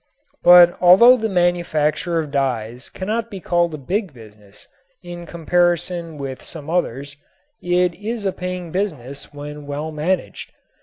But although the manufacture of dyes cannot be called a big business, in comparison with some others, it is a paying business when well managed.